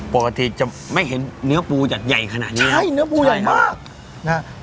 ปกติจะไม่เห็นเนื้อปูใหญ่ขนาดนี้กันอ่ะใช่ครับเนื้อปูใหญ่มาก